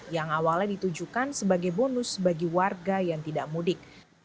yang awalnya ditujukan sebagai bonus bagi warga yang tidak mudik